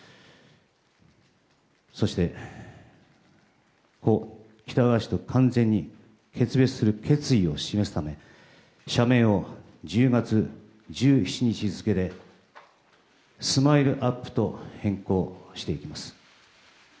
そして故・喜多川氏と完全に決別する決意を示すため社名を１０月１７日付でＳＭＩＬＥ‐ＵＰ．と変更していきます。